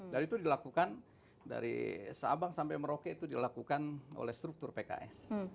itu dilakukan dari sabang sampai merauke itu dilakukan oleh struktur pks